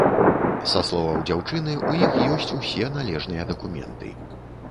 Са словаў дзяўчыны, у іх ёсць усе належныя дакументы.